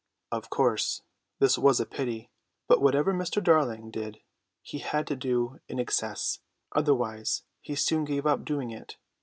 Of course this was a pity; but whatever Mr. Darling did he had to do in excess, otherwise he soon gave up doing it.